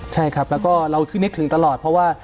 ใช่ครับแล้วก็เราคือนึกถึงตลอดเพราะว่า